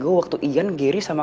gue tau dia siapa